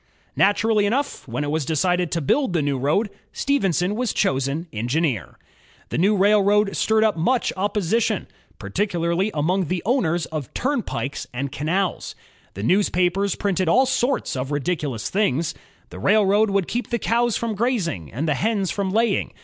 '' Naturally enough, when it was decided to build the new road, Stephenson was chosen engineer. The new railroad stirred up much opposition, particu GEORGE STEPHENSON 67 larly among the owners of turnpikes and canals. The newspapers printed all sorts of ridiculous things. The railroad would keep the cows from grazing and the hens from laying.